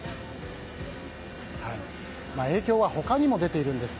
影響は他にも出ているんです。